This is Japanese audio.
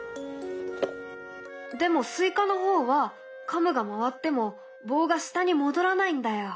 でもスイカの方はカムが回っても棒が下に戻らないんだよ。